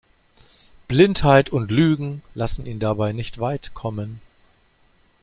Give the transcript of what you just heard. Blindheit und Lügen lassen ihn dabei nicht weit kommen.